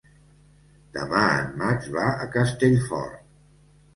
Demà en Max va a Castellfort.